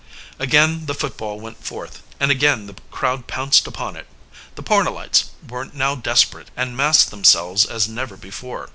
Again the football went forth, and again the crowd pounced upon it. The Pornellites were now desperate and massed themselves as never before.